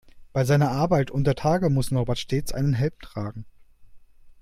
Bei seiner Arbeit untertage muss Norbert stets einen Helm tragen.